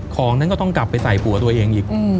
ของนั้นก็ต้องกลับไปใส่ผัวตัวเองอีก